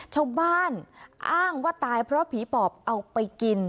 ชาวบ้านอ้างว่าตายเพราะผีปอบเอาไปกิน